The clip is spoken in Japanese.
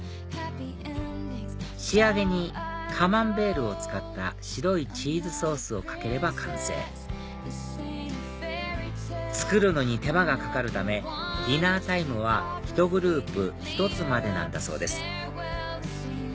仕上げにカマンベールを使った白いチーズソースをかければ完成作るのに手間がかかるためディナータイムはひとグループ１つまでなんだそうです